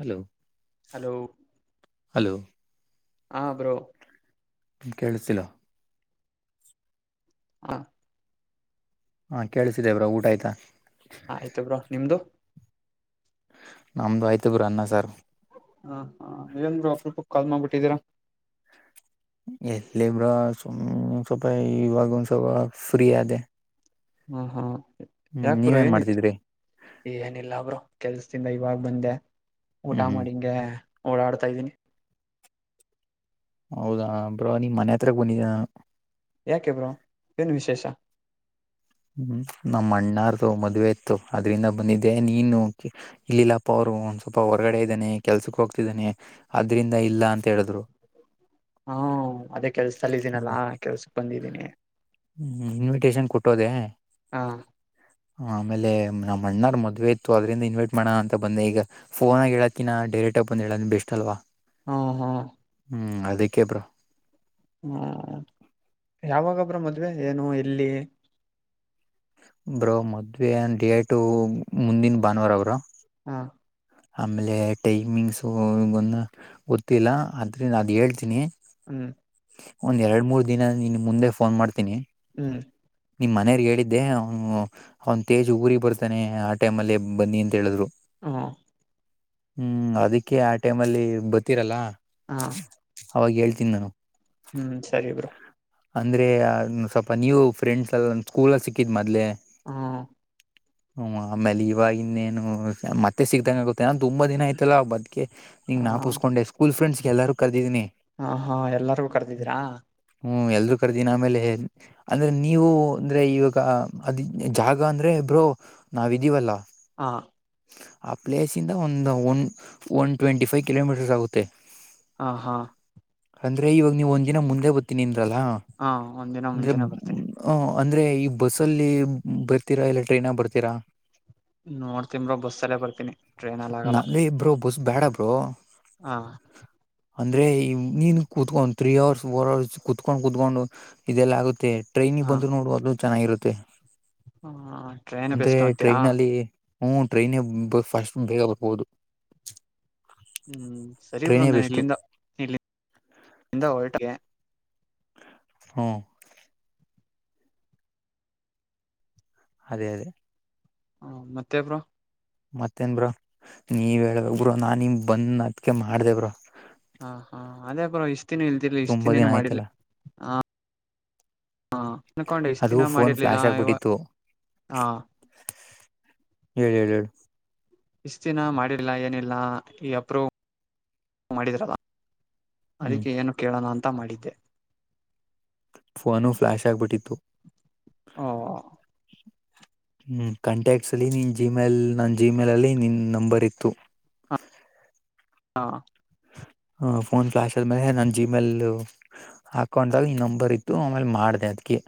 Hello hello hello ಹಾ bro. ಕೇಳ್ಸ್ತೀಲ್ಲ. ಹಾ. ಹಾ ಕೇಳ್ಸ್ತೀದೆ ಬ್ರೋ ಊಟ ಆಯ್ತಾ. ಆಯ್ತು ಬ್ರೋ ನಿಮ್ದು ನಮ್ದ ಆಯ್ತು ಬ್ರೋ ಅನ್ನ ಸರ್ ಹಾ ಹಾ ಏನ್ ಬ್ರೋ ಅಪುರೂಪಕೆ ಕಾಲ್ ಮಾಡ್ಬಿಟ್ಟಿದ್ದೀರ ಎಲ್ಲಿ ಬ್ರೋ ಸುಮ್ಮ್ ಸ್ವಲ್ಪ ಇವಾಗ ಒಂದ ಸ್ವಲ್ಪ ಫ್ರೀ ಅದೆೇ ಹ್ಮ್ ಹ್ಮ್ ಯಾಕ್ ಬ್ರೋ ಏನಿತ್ತು ಮಾಡ್ತಿದ್ರಿ ಈ ಏನಿಲ್ಲ ಬ್ರೋ ಕೆಲ್ಸ ಿಂದ ಇವಾಗ ಬಂದೆ ಊಟ ಹ್ಮ್ ಹ್ಮ್ ಮಾಡಿಂಗೆ ಓಡಾಡ್ತಾ ಇದ್ದೀನಿ ಹೌದಾ ಬ್ರೋ ನಿಮ್ ಮನೆ ಹತ್ರ ಬಂದಿದೇ ನಾನು ಯಾಕೆ ಬ್ರೋ ಏನ್ ವಿಶೇಷ ಹ್ಮ್ ನಮ್ಮ ಅಣ್ಣಾರ್ದು ಮದ್ವೆೆ ಇತ್ತು ಅದ್ರಿಂದ ಬಂದಿದ್ದೆ ನೀನು ಇಲ್ಲಿಿಲ್ಲಪ್ಪ ಅವ್ರು ಒಂದ್ ಸ್ವಲ್ಪ ಹೊರಗಡೆ ಇದ್ದಾನೆ ಕೆಲ್ಸಕ್ ಹೋಗ್ತಿದ್ದಾನೆ ಆದ್ರಿಂದ ಇಲ್ಲ ಅಂತ ಹೇಳಿದ್ರು. ಹ್ಮ ಅದೇ ಕೆಲ್ಸ ಹ್ಮ್ ಸಲ್ಲಿದ್ದೀನಲ್ಲಾ ಕೆಲ್ಸಕ್ ಬಂದ್ದೀನಿ ಹ್ಮ್ ಇನ್ವಿಟೇಷನ್ ಕೊಟ್ಟೋದೆೇ ಹಾ ಆಮೇಲೆ ನಮ್ಮ ಅಣ್ಣರ್ ಮದ್ವೆ ಇತ್ತು ಅದ್ರಂದ ಇನ್ವೈಟ್ ಮಾಡೋ ಅಂತ ಬಂದೆ ಈಗ ಫೋನ್ ಆ ಹೇಳಾಕಿನ ಡೈರೆಕ್ಟ್ ಟೆಕ್ ಬೇಷ್ಟಟಲ್ವಾ ಹ್ಮ ಹಾ ಹ್ಮ್ ಅದಕ್ಕೆ ಬ್ರೋ ಹ್ಮ ಯಾವಾಗ ಬ್ರೋ ಮದ್ವೆ ಏನು ಎಲ್ಲಿ ಬ್ರೋ ಮದ್ವೆ ಡೇಐಟು ಮುಂದಿನ ಭಾನುವಾರ ಅವರು ಹ ಆಮೇಲೆ ಟೈಮಿಂಗ್ಸು ಈೊಂದು ಗೊತ್ತಿಲ್ಲ ಆದ್ರ ಅದ ಹೇಳ್ತೀನಿ ಹ್ಮ್ ಒಂದ್ ಎರಡ್ ಮೂರ್ ದಿನ ನಿನ್ ಮುಂದೆ ಫೋನ್ ಮಾಡ್ತೀನಿ ಹ್ಮ್ ನಿಮ್ ಮನೆಯಲಿ ಹೇಳಿದ್ದೆ ಹುಂ ಅವನು ಅವನ್ ತೇಜ್ ಊರಿಗೆ ಬರ್ತಾನೆ ಆ ಟೈಮ್ ಅಲ್ಲಿೇ ಬನ್ನಿ ಅಂತ ಹೇಳಿದ್ರು ಹಾ ಹ್ಮ್ ಅದಕ್ಕೆ ಆ ಟೈಮ್ ಅಲ್ಲಿ ಬತ್ತೀರಲ್ಲ ಹ ಅವಾಗ ಹೇಳ್ತೀನಿ ನಾನು ಹ್ಮ್ ಸರಿ ಬ್ರೋ ಅಂದ್ರೆ ಸ್ವಲ್ಪ ನೀವು ಫ್ರೆಂಡ್ಸ್ ಎಲ್ಲ ಸ್ಕೂಲ್ ಸಿಕ್ಕಿದ್ ಮದ್ಲೆ ಹಾ ಹ್ಮ್ ಆಮೇಲೆ ಇವವಾಗಿ ಇನ್ನೇನು ಮತ್ತೆ ಸಿಗ್ದಂಗ ಗೊತ್ತೆ ನಾನನ್ ತುಂಬಾ ದಿನ ಆಯ್ತಲ್ಲಾ ಬದ್ಕಗೆ ಹ ಇಂಗ್ ನಾಪೂಸ್ಕೊಂಡೆ ಸ್ಕೂಲ್ ಫ್ರೆಂಡ್ಸ್ಗೆ ಎಲ್ಲು ಕದಿದೀಿನಿ ಹ ಹಾ ಎಲ್ಲರಿಗೂ ಕರೆದಿದೀರಾ ಹ್ಮ್ ಎಲ್ರುೂ ಕರದನಿ ಆಮೇಲೆ ಅಂದ್ರೆ ನೀವು ಅಂದ್ರೆ ಇವಾಗ ಅದ್ ಜಾಗ ಅಂದ್ರೆ ಬ್ರೋ ನಾಾವ ಇದೀವಲ್ಲ ಹಾ ಆ ಪ್ಲೇಸ್ ಇಂದ ಒಂದು one one twenty five kilometres ಆಗುತ್ತೆ ಹ ಹಾ ಅಂದ್ರೆ ಇವಾಗ ನೀವು್ ಒಂದ ದಿನ ಮುಂದೆ ಬತೀನಿಂದ್ರಲ್ಲಾ ಹಾ ಒಂದ್ ದಿನ ಅಂದ್ರೆ ಮುಂಚೆನೆ ಬರ್ತೀನಿ ಅಂದ್ರೆ ಈ ಬಸ್ಲ್ಲಿ ಬರ್ತೀರಾ ಇಲ್ಲ ಟ್ರೈನ್ ಬರ್ತೀರಾ ನೀಡ್ತೀವಿ ಬ್ರೋ ಬಸ್ಸ ಅಲ್ಲೇ ಬರ್ತೀನಿ ಟ್ರೈನ್ಲ್ಲ ಆಗಲ್ಲ ನಲ್ಲಿ ಬ್ರೋ ಬಸ್ ಬೇಡ ಬೋ ಹಾ ಅಂದ್ರೆ ನೀನ್ ಕುೂತ್ಕೊಂಡ್ ತ್ರ್ರೀ ಅವರ್ಸ್ ಫೋರ್ ಅವರ್ಸ್ ಕುೂತ್ಕೊಂಡ್ ಕುೂತ್ಕೊಂಡು ಇದೆಲ್ಲ ಆಗುತ್ತೆ ಟ್ರೈನಿಗೆ ಹಾ ಬಂದು ನೋಡುವದ ಚೆನ್ನಾಗಿರುತ್ತೆ ಟ್ರೈನ್ ಅಂದ್ರೆ ಬೆಸ್ಟ್ ಅಂತೀರಾ ಟ್ರೈನ್ ಅಲ್ಲಿ ಹ್ಮ ಟ್ರೈನ್ ಫಸ್ಟ್ ಬೇಲ್ಬೋದು ಹ್ಮ್ ಸರಿ ಬ್ರೊ ನನ್ ಇಲ್ಲಿಂದಲ್ಲಿಂದ ಹೊಟೆಗೆ ಹ್ಮ ಅದೇ ಅದೇ ಹಾ ಮತ್ತೆಬ್ರು ಮತ್ತೇನ್ಬ್ರ ನೀವ ಹೇಳಳ್ಬೇಕ ಬ್ರ ನಾ ನಿಮ್ ಬಂದ ಅದ್ಕ ಮಾಡ್ದೇಬ್ರ ಹಾ ಹಾ ಅದೇ ಪರ ಇಷ್ಟ್ತಿನ ಇಲ್ದಿಿಲ್ಲಲಿ ತುಂಬಾ ದಿನ ಇಷ್ಟ್ತಿನೇನು ಆಯ್ತಲ್ಲ ಮಾಡಿಿಲ್ಲಲಿ ಹ ಹಾ ಅನ್ಕೊಂಡ್ರೆ ಎಷ್ಟು ಅದು ದಿನ ಫೋನ್ ಮಾಡಿರ್ಲಿಲ್ಲ ಫ್ಲಾಶ್ ಇವ ಆಗ್ಬಿಟ್ಟಿತ್ತು ಹಾ ಹೇಳಳ್ ಹೇಳಿ ಹೇಳ ಇಷ್ಟ ದಿನ ಮಾಡಿಲ್ಲ ಏನಿಲ್ಲ ಈ ಅಪ್ರೂ ಮಾಡಿದ್ರಲ್ಲ ಹ್ಮ್ ಅದಕ್ಕೆ ಏನು ಕೇಳೋಣ ಅಂತ ಮಾಡಿದ್ದೆ ಫೋನು ಫ್ಲಾಶ್ ಆಗ್ಬಿಟ್ಟಿತ್ತು ಓ ಹ್ಮ್ ಕಾಂಟ್ಯಾಕ್ಟ್ಸ್ ಅಲ್ಲಿ ನಿನ್ ಜಿಮೇಲ್ ನನ್ ಜಿಮೇಲ್ಲ್ಲಿ ನಿನ್ ನಂಬರ್ ಇತ್ತು ಹ ಹಾ ಫೋನ್ ಫ್ಲಾಶ್ ಆದ್ಮೇಲೆ ನಾನ್ ಜಿಮೇಲ್ ಹಾಕೊಂಡಾಗ ಈ ನಂಬರ್ ಇತ್ತು ಆಮೇಲೆ ಮಾಡ ಅ ಅದಕ್ಕೆ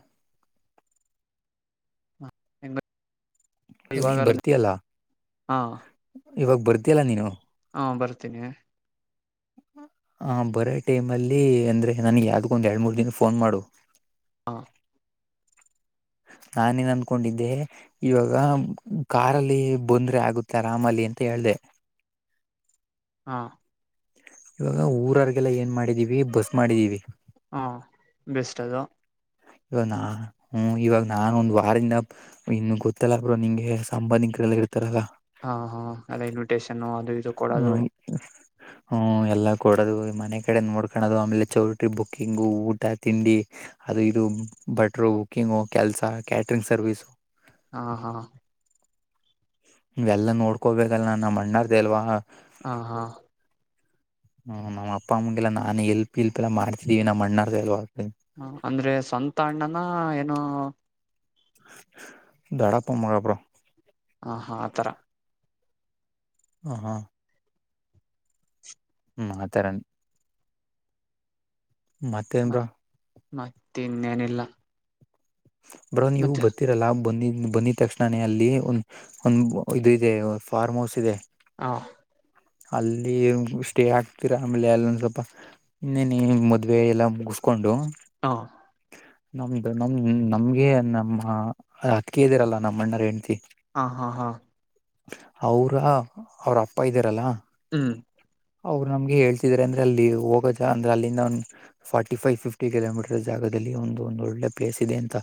ಹ ಅ ನೀನ್ ಬರ್ತಯಲ್ಲ ಹಾ ಇವಾಗ ಬರ್ತಿಯಲ್ಲ ನೀನು ಹಾ ಬರ್ತೀನಿ ಹ ಬರೋ ಟೈಮ್ ಅಲ್ಲಿ ಅಂದ್ರೆ ನನ್ಗೆ ಯಾವ್ದು ಒಂದ್ ಎರಡ್ ಮೂರ್ ದಿನ ಫೋನ್ ಮಾಡು ಹಾ ನಾಾನೇನ್ ಅನ್ಕೊಂಡಿದ್ದೆ ಇವಾಗ ಕಾರಲ್ಲಿ ಬಂದ್ರೆ ಆಗುತ್ತೆ ಆರಾಮಲಿ ಅಂತ ಹೇಳ್ದ ಹಾ ಇವಾಗ ಊರರ್ಗೆಲ್ಲ ಏನ್ ಮಾಡಿದೀವಿ ಬಸ್ ಮಾಡಿದೀವಿ ಬೆಸ್ದಾ ಇವಾಗ ನಾ ಹ್ಮ ಇವಾಗ ನಾನನ್ ಒಂದ್ ವಾರದಿಂದ ಇನ್ನು ಗೊತ್ತಲ್ಲ ಬ್ರೋ ನಿಂಗೆ ಸಂಬಂಧ ಕಲ್ಲಿ ಇಿಡ್ತಾರೆಲ್ಲ ಹಾ ಹಾ ಎಲ್ಲ ಇನ್ವಿಟೇಷನ್ ಅದು ಇದು ಕೊಡದು ಹ್ಮ ಎಲ್ಲ ಕೊಡೋದು ಮನೆ ಕಡೆ ನೋಡ್ಕಳೋದು ಆಮೇಲೆ ಚೌಟ್ರಿ ಬುಕ್ಕಿಂಗ್ ಊಟ ತಿಂಡಿ ಅದು ಇದು ಬಟ್ರೋ ಬುಕ್ಕಿಂಗು ಕೆಲ್ಸ ಕ್ಯಾಟ್ರಂಗ್ ಸರ್ವಿಸಸು ಹಾ ಹಾ ಎಲ್ಲ ನೋಡ್ಕೋಬೇಕಲ್ಲ ನ ನಮ್ಮ ಅಣ್ಣಾರ್ದ ಅಲ್ವಾ ಹಾ ಹಾ ಹ್ಮ ನಮ್ಮ ಅಪ್ಪ ಅಮ್ಮಗೆಲ್ಲ ನಾನ್ ಎಲ್ಪ್ ಇಲ್ಪ್ ಎಲ್ಲ ಮಾಡ್ತಿದೀವಿ ನಮ್ಮ ಅಣ್ಣಾರ ಹ ಅಂದ್ರೆ ಸ್ವಂತ ಅಣ್ಣನ ಏನೋ ದಡಾಪ್ಪಮ್ಮಗೆಪರ ಹ ಹಾ ಆತರ ಹ ಹಾ ಹ್ಮ್ ಆತರ ಮರ ಮತ್ತೆ ಇನ್ನೇನಿಲ್ಲ ಬ್ರೋನ್ ನೀವು ಮತ್ತೆ ಬರ್ತ್ತೀರಲ್ಲಾ ಬಂದಿದ್ದ ಬಂದಿದ ತಕ್ಷಣೇ ಅಲ್ಲಿ ಒ ಒಂದ ಇದು ಇದೆ ಫಾರ್ಮ್ ಹೌಸ್ ಇದೆ ಹಾ ಅಲ್ಲಿ ಸ್ಟೇ ಆಗ್ತೀರಾ ಆಮೇಲೆ ಅಲ್ಲೊಂದ ಸ್ವಲ್ಪ ಇನ್ನೇನೆ ಮದ್ವೆ ಎಲ್ಲ ಮುಗ ಕೊಂಡು ಹಾ ನಮ್ದು ನಮ ನಮ್ಗೆ ನಮ್ಮ ಅಕ್ಕಿ ಇದ್ದಿರಲ್ಲಾ ನಮ್ಮ ಅಣ್ಣರ ಹೆಂಡ್ತಿ ಹಾ ಹಾ ಹಾ ಅವ್ರ ಅವ್ರ ಅಪ್ಪ ಇದ್ದಾರಲ್ಲಾ ಹ್ಮ್ ಅವ್ರು ನಮ್ಗೆ ಹೇಳ್ಿದಾರೆ ಅಂದ್ರ ಅಲ್ಲಿ ಹೋದ ಅಂದ್ರೆ ಅಲ್ಲಿಂದ ಒ್ ಫಾರ್ಟಿ ಫೈವ್ ಫಿಫ್ಟಿ ಕಿಲೋಮೀಟರ್ ಜಾಗ ಗಲ್ಲಿ ಒಂದು ಒಂದು ಒಳ್ಳೆ ಪ್ಲೇಸ್ ಇದೆ ಅಂತ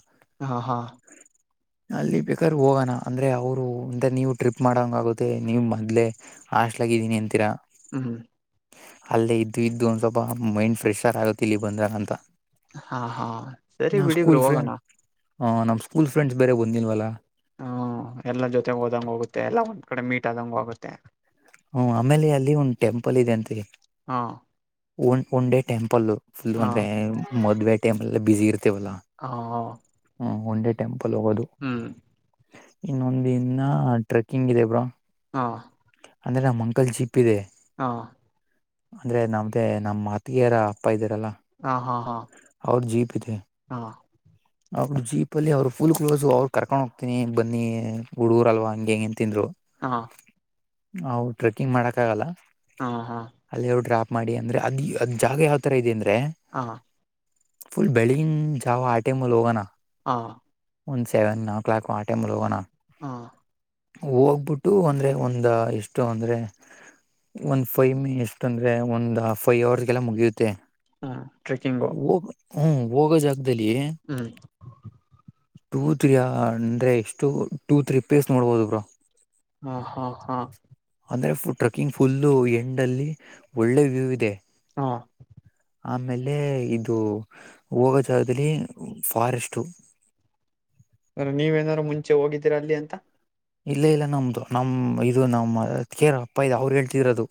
ಹಾ ಹಾ ಅಲ್ಲಿ ಬೇಕಾದ್ರೆ ಹೋಗೋಣ ಅಂದ್ರೆ ಅವರು ಒಥ ನೀವು ಟ್ರಿಪ್ ಮಾಡಂಗ ಆಗುತ್ತೆ ನೀವು ಮದ್ಲೆ ಆಾಸ್ಟ್ಲಗ ಈ ದಿನಂತಿರ ಹ್ಮ್ ಹ ಅಲ್ಲೇ ಇದ್ದು ಇದ್ದು ಒಂದು ಸ್ವಲ್ಪ ಮೈಂಡ್ ಫ್ರೆಷರ್ ಆಗುತ್ತ ಇಲ್ಲಿ ಬಂದ್ರನ ಅಂತ ಹಾ ಹಾ ಸರಿ ಬಿಡಿಬ್ರರು ಹೋಗಣ ಹ ನಮ್ ಸ್ಕೂಲ್ ಫ್ರೆಂಡ್ಸ್ ಬೇರೆ ಬಂದಿಲ್ವಲ್ಲ ಹ್ಮ ಎಲ್ಲ ಜೊತೆ ಹೋದಂಗ ಹೋಗುತ್ತೆ ಎಲ್ಲ ಒಂದ್ ಕಡೆ ಮೀಟ್ ಆದಂಗ ಹೋಗುತ್ತೆ ಹ್ಮ ಆಮೇಲೆ ಅಲ್ಲಿ ಒಂದ ಟೆಂಪಲ್ ಇದೆ ಅಂತ ಹಾ ಒ ಒಂದೇ ಟೆಂಪಲ್ ಫುಲ್ ಹಾ ಅಂದ್ರೆ ಮದ್ವೆ ಟೈಪ ಎಲ್ಲ ಬಿಸಿಿ ಇರ್ತ್ತ ಹಾ ಹ ಹ್ಮ ಒಂಡೆ ಟೆಂಪಲ್ ಹೋಗೋದು ಹ್ಮ್ ಇನ್ನೊಂದಿನ ಟ್ರೆಕ್ಕಿಂಗ್ ಇದೆ ಬ್ರಾ ಹಾ ಅಂದ್ರೆ ನಮ್ಮ ಅಂಕಲ್ ಜಿಪ್ ಇದೆ ಹಾ ಅಂದ್ರೆ ನಮ್ದೇ ನಮ್ಮ್ ಮಾತಿಯರ ಅಪ್ಪ ಇದೀರಲ್ಲ ಹಾ ಹಾ ಹಾ ಹಾ ಅವ್ರ ಜೀಪ ಅಲ್ಲಿ ಅವರು ಫುಲ್ ಕ್ಲೋಸ್ ಅವ್ರು ಕರ್ಕೊಂಡ್ ಹೋಗ್ತೀನಿ ಬನ್ನಿ ಹುಡುೂರ್ ಅಲ್ವ ಹಂಗೆ ಹಂಗ ತಿಂದ್ರು ಹಾ ನವು ಟ್ರೆಕ್ಕಿಂಗ್ ಮಾಡಕ ಆಗಲ್ಲ ಹಾ ಹಾ ಅಲ್ಲಿ ಅವ್ರು ಡ್ರಾಪ್ ಮಾಡಿ ಅಂದ್ರೆ ಅದು ಅ ಜಾಗ ಯಾವ ತರ ಇದೆ ಅಂದ್ರೆ ಹಾ ಫುಲ್ ಬೆಳಿನ ಜಾವ ಆಟೆ ಮೂಲ್ ಹೋಗೋಣ ಹಾ ಒಂದು ಸೆವೆನ್ ಓ ಕ್ಲಾಕ್ ಆ ಟೈಮ ಲ ಹೋಗೋಣ ಹಾ ಹೋಗ್ಬಿಟ್ಟು ಅಂದ್ರೆ ಒಂದ ಎಷ್ಟು ಅಂದ್ರೆ ಒಂದ್ ಫೈವ್ ಮೇ ಎಷ್ಟ ಅಂದ್ರೆ ಒಂದ್್ ಫೈ್ ಅವರ್ಗೆಲ್ಲ ಮುಗಿಯುತ್ತೆ ಹಾ ಟ್ರೆಕ್ಕಿಂಗ್ ಬು ಹೋಗ ಹ್ಮ್ ಹೋಗೋ ಜಾಗದಲ್ಲಿ ಹ್ಮ್ ಟೂ ತ್ರೀ ಅಂದ್ರೆ ಎಷ್ಟು ಟೂ ತ್ರೀ ಪ್ಲೇಸ್ ನೋಡ್ಬೋದು ಬ್ರ ಹ್ಮ ಹ್ಮ ಹ್ಮ್ ಅಂದರೆ ಫು ಟ್ರಕ್ಕಿಂಗ್ ಫುಲ್ಲು ಎಂಡಲ್ಲಿ ಒಳ್ಳೆ ವ್ಯೂ ಇದೆ ಹಾ ಆಮೇಲೆ ಇದು ಹೋಗ ಜಾಗದಲ್ಲಿ ಫಾರೆಸ್ಟ್ು ನೀವೇನಾದಾರರು ಮುಂಚೆ ಹೋಗಿದ್ದೀರಾ ಅಲ್ಲಿ ಅಂತ ಇಲ್ಲ ಇಲ್ಲ ನಮ್ದು ನಮ ಇದು ನಮ್ಮ ಕೇರ್ ಅಪ್ಪ ಇದು ಅವರು ಹೇಳ್ತರೋದು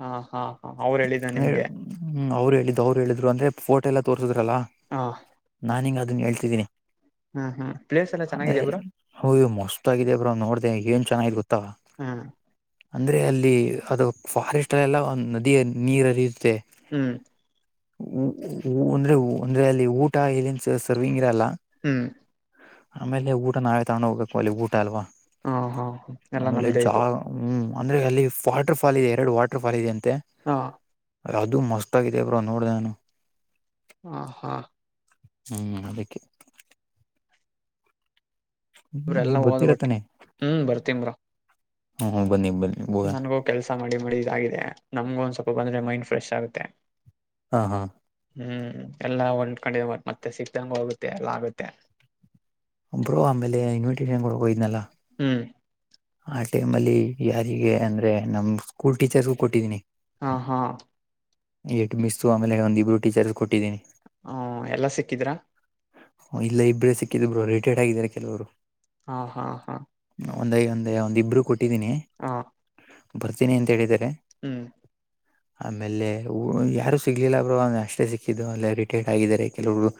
ಹಾ ಹಾ ಹಾ ಅವ್ರು ಹೇಳಿದ ನಿಮ್ಗೆ ಹ್ಮ ಅವ್ರು ಹೇಳಿದ್ದು ಅವ್ರು ಹೇಳಿದ್ರು ಅಂದ್ರೆ ಫೋಟೋ ಎಲ್ಲ ತೋರ್ಿದ್ರಲ್ಲಾ ಹಾ ನಾನುಗೆ ಅದನ್ನ ಹಳ್ತಿದ್ದೀನಿ ಹ್ಮ್ ಹ್ಮ್ ಪ್ಲೇಸ್ ಎಲ್ಲ ಅದೇ ಚೆನ್ನಾಗಿದ್ಯಾ ಬ್ರೋ ಹ ಮಸ್ತ್ ಆಗಾಗಿದೆ ಬ್ರ ನೋಡ್ದ ಏನ್ ಚೆನ್ನಾಗಿ ಗೊತ್ತ ಹ್ಮ ಅಂದ್ರೆ ಅಲ್ಲಿ ಅದು ಫಾರೆಸ್ಟ್ ಅಲ್ಲ ಎಲ್ಲ ಒ ನದಿಯ ನೀರ ಹರಿಯುತ್ತೆ ಹ್ಮ್ ಅಂದ್ರೆ ಅಂದ್ರೆ ಅಲ್ಲಿ ಊಟ ಎಲ್ಲಿನ್ ಸರ್ವಿಂಗ್ ಇರಲ್ಲ ಹ್ಮ್ ಆಮೇಲೆ ಊಟ ನಾವೇ ತಗೊಂಡು ಹೋಗ್ಬೇಕು ಅಲ್ಲಿ ಊಟ ಅಲ್ವಾ ಹಾ ಹಾ ಎಲ್ಲ ನಲೆ ನಮ್ದೇ ಜಾ ಇದು ಹ್ಮ್ ಅಂದ್ರೆ ಅಲ್ಲಿ ವಾಟರ್ ಫಾಲ್ ಇದೆ ಎರಡು ವಾಟರ್ ಫಾಲ್ ಇದೆ ಅಂತೆ ಹಾ ಅದು ಮಸ್ತ್ ಆಗಿದೆ ಬ್ರೋ ನೋಡ್ದಾನು ಹಾ ಹಾ ಹ್ಮ್ ಅದಕ್ಕೆ ಹ್ಮ ಇವ್ರೆಲ್ಲಾ ನೀವ್ ಹೋದ ಒಟ್ಟಿ ಗೊತ್ತಿರತ್ತಾನೆ ಹ್ಮ್ ಬರ್ತೀನ್ ಬ್ರೋ ಬನ್ನಿ ಬನ್ನಿ ಹೋಗ ನನ್ಗೂ ಕೆಲ್ಸ ಮಾಡಿ ಮಾಡಿ ಇದಾಗಿದೆ ನಮ್ಗೂ ಒಂದ್ ಸ್ವಲ್ಪ ಬಂದ್ರೆ ಮೈಂಡ್ ಫ್ರೆಶ್ ಆಗುತ್ತೆ ಹಾ ಹಾ ಹ್ಮ್ ಎಲ್ಲಾ ಒಂದ್ ಕಡೆ ಮತ್ತೆ ಸಿಕ್ತಂಗ ಹೋಗುತ್ತೆ ಎಲ್ಲ ಆಗುತ್ತೆ ಒಬ್ರೋ ಆಮೇಲೆ ಇನ್ವಿಟೇಷನ್ ಕೊಡ್ಕೋ ಇದ್ನಲ್ಲ ಹ್ಮ ಆ ಟೈಮ್ ಅಲ್ಲಿ ಯಾರಿಗೆ ಅಂದ್ರೆ ನಮ್ ಸ್ಕೂಲ್ ಟೀಚರ್ಸ್ಗು ಕೊಟ್ಟಿದೀನಿ ಹಾ ಹಾ ಎಟ್ ಮಿಸ್ು ಆಮೇಲೆ ಒಂದ್ಬ್ರುಟೀಚರ್ಸ್ ಕೊಟ್ಟಿದ್ದೀನಿ ಹ ಎಲ್ಲಾ ಸಿಕ್ಕಿದ್ರಾ ಇಲ್ಲ ಇಬ್ರೇ ಸಿಕ್ಕಿದಿಬ್ರು ರಿಟೈರ್ಡ್ ಆಗಿದ್ದಾರೆ ಕೆಲವರು ಹಾ ಹಾ ಹಾ ಒಂದ ಒಂದ ಒಂದ್ ಇಬ್ರು ಕೊಟ್ಟಿದ್ದೀನಿ ಹಾ ಬರ್ತೀನಿ ಅಂತ ಹೇಳಿದಿದ್ದಾರೆ ಹ್ಮ್ ಆಮೇಲೆ ಯಾರು ಸಿಗ್ಲಿಲ್ಲ ಬರು ಅಷ್ಟೇ ಸಿಕ್ಕಿದ್ದು ಅಲ್ಲ ರಿಟೈರ್ಡ್ ಆಗಿದ್ದಾರೆ ಕೆಲವರು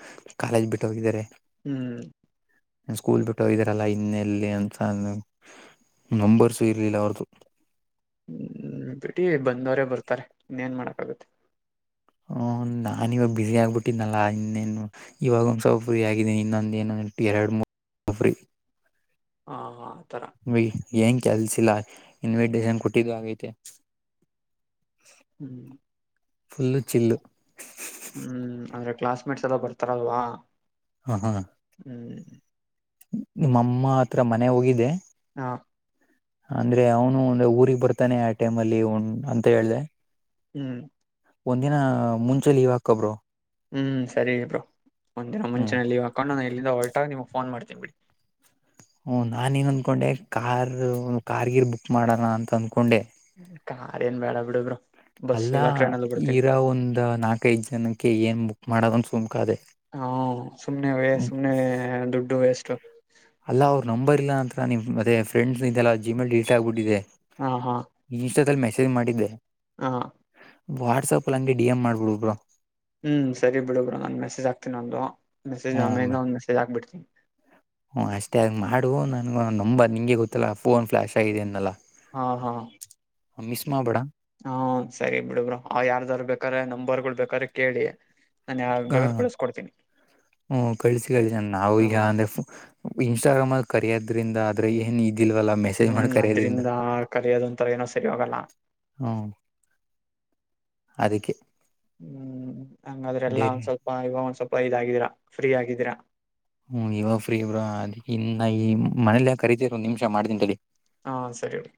ಕಾಲೇಜ್ ಬಿಟ್ಟೋಗಿದ್ದಾರೆ ಹ್ಮ್ ಸ್ಕೂಲ್ ಬಿಟ್ಟು ಹೋಗಿದರಲ್ಲಾ ಇನ್ನೆಲ್ಲಿ ಅಂತಸ ನಂಬರ್ಸು ಇರ್ಲಿಲ್ಲ ಅವ್ರ್ದು ಹ್ಮ್ ಬಿೇಟಿ ಬಂದವರೇ ಬರ್ತಾರೆ ಇನ್ನೇನ್ ಮಾಡಕ್ಾಗತ್ತೆ ಹ್ಮ ನಾನನ್ ಇವಾಗ ಬಿಸಿ ಆಗ್ಬಿಟ್ಟಿದ್ದನಲ್ಲಾ ಇನ್ನೇನು ಇವಾಗ ಒಂದ್ ಸ್ವಲ್ ಫ್ರೀ ಆಗೀನಿ ಇನ್ನೊಂದು ಏನ ಎರಡು ಮೂರುಬ್ರಿ ಹಾ ಏಂಗ ಕೆಲ್ಸಿಲ್ಲ ಇನ್ವಿಟೇಶನ್ ಕೊಟ್ಟಿದ್ದು ಆಗೈತೆ ಹ್ಮ್ ಫುಲ್ಲು ಚಿಲ್ಲು ಹ್ಮ್ ಅಂದ್ರೆ ಕ್ಲಾಸ್ಮೇಟ್ಸ್ ಎಲ್ಲ ಬರ್ತಾರಲ್ವಾ ಹ ಹಾ ಹ್ಮ್ ನಿಮ್ಮಮ್ಮ ಆತ್ರ ಮನೆ ಹೋಗಿದೆೆ ಹಾ ಅಂದ್ರೆ ಅವನು ಒಂದ್ರೆ ಊಗ್ ಬರ್ತಾನೆ ಆ ಟೈಮ್ ಅಲ್ಲಿನ್ ಅಂತ ಹೇಳ್ದ ಹ್ಮ್ ಒಂದಿನ ಮುಂಚೆ ಲೀವ್ ಹಾಕಬರು ಹ್ಮ್ ಸರಿ ಬ್ರೋ ಒಂದ್ ದಿನ ಹ್ಮ್ ಮುಂಚೆಲ್ಲಿ ಹಾಕೊಂಡು ನ ಇಲ್ಲಿಂದ ಹೊಲ್ಟಾಗಿಮಗ್ ಫೋನ್ ಮಾಡ್ತಿ ಹ ನಾನ ಏನ್ ಅಂದ್ಕೊಂಡೆ ಕಾರ್ ಕಾರ್ಗಿರ್ ಬುಕ್ ಮಾಡಣ ಅಂತ ಅಂದ್ಕೊಂಡೆ ಕಖಾರ್ ಏನ್ ಬ್ಯಾಡ ಬಿಡಬರು ಅಲ್ಲ ಇರಾ ಒಂದ್ ನಾಕೈದ್ ಜನಕ್ಕೆ ಏನ್ ಬುಕ್ ಮಾಡದನ್ ಸುಮಕ ಅದೇ ಹಾ ಸುಮ್ನೆ ವೇ ್ಮ ಸುಮ್ನೆ ದುಡ್ಡು ವೇಸ್ಟ್ ಅಲ್ಲ ಅವ್ರು ನಂಬರ್ಲ್ಲ ಅಂತ ನಿಮ್ ಮತ್ತೆ ಫ್ರೆಂಡ್ಸ್ ನಿಲ್ಲ ಜಿಮೇಲ್ ಡಿಲೀಟ್ ಆಗ್ಬಿಟ್ಟಿದೆ ಹಾ ಹಾ ಇನ್ಸ್ಟಾದಲ್ಲಿ ಮೆಸೇಜ್ ಮಾಡಿದ್ದೆ ಹಾ ವಾಟ್ಸಆಪ್ ಅಲ್ಲಿ ಹಂಗೆ ಡಿ ಎಂ್ ಮಾಡ್ಬಿಡ್ಬ್ರರು ಹ್ಮ್ ಸರಿ ಬಿಡುಗ್ರು ನಂದನ್ ಮೆಸೇಜ್ ಹಕ್ತೀನಿ ಒಂದು ಮೆಸೇಜ್ ಆ ಮೇಿಂದ ಒಂದ ಮಸಜ್ ಹಾಕ್ಬಿಡ್ತನಿ ಹ ಅಷ್ಟೇ ಆಗ ಮಾಡು ನನ್ಗ ನಂಬರ್ ನಿಂಗೆ ಗೊತ್ತಿಲ್ಲ ಫೋನ್ ಫ್ಲಾಶ್ ಆಗಿದೆ ಅನಲ್ಲಾ ಹಾ ಹಾ ಹಮ್ಮಿಸ್ಮಾ ಬಡಾ ಹ್ಮ ಸರಿ ಬಿಡಬ್ರರು ಅವ ಯಾರ್ದಾರ ಬೇಕಾರೆ್ರ ನಂಬರ್ಗಳು ಬೇಕಾದ್ರೆ ಕೇಳಿ ನ ಬೇ ಕಳಿಸ್ಕಡ್ತೀನಿ ಹ್ಮ ಕಳಿಸಿ ಕಳಸ ನಾವು ಈಗ ಅಂದ್ರೆ ಇನ್ಸ್ಟಾಗ್ರಾಮ್ ಕರೆಯೋದ್ರಿಂದ ಆದ್ರೆ ಏನ್ ಇದಿಲ್ವಲ್ಲ ಮೆಸೇಜ್ ಮಾಡಿ ಹ್ಮ್ ಕರೆಯೋದ್ರಿಂದ ಅದ್ರಿಂದ ಕಲಿಯೋದ ಒಂತರ ಏನೋ ಸರಿ ಹೋಗಲ್ಲ. ಹ್ಮ್ ಹ್ಮ್ ಹಂಗಾದ್ರೆ ಎಲ್ಲ ಡೇರಿ ಒಂದ್ ಸ್ವಲ್ಪ ಇವಾಗ ಒಂದ್ ಸ್ವಲ್ ಗಿದ್ದೀರಾ ಫ್ರೀ ಆಗಿದ್ದೀರಾ. ಹ್ಮ್ ಇವಾಗ ಫ್ರೀ ಬ್ರೋ ಅದಿ ಇನ್ನ ಈ ಮನೇಲ್ಲಯ ಕರೀತಿದ್ರು ಒಂದ್ ನೀಮಿಷ ಮಾಡ್ತೀನಿ ತಡಿ. ಹಾ ಸರಿ ಇಡಿ.